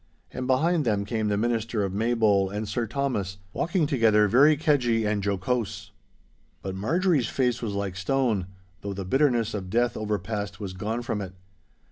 And behind them came the Minister of Maybole and Sir Thomas, walking together very caigy[#] and jocose. [#] Friendly. But Marjorie's face was like stone, though the bitterness of death overpast was gone from it.